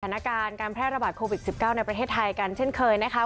สถานการณ์การแพร่ระบาดโควิด๑๙ในประเทศไทยกันเช่นเคยนะคะ